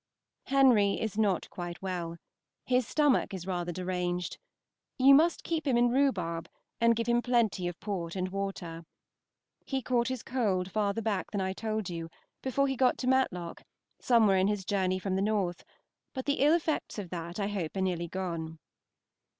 Henry is not quite well. His stomach is rather deranged. You must keep him in rhubarb, and give him plenty of port and water. He caught his cold farther back than I told you, before he got to Matlock, somewhere in his journey from the North; but the ill effects of that I hope are nearly gone.